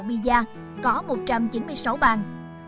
bia có một trăm chín mươi sáu bàn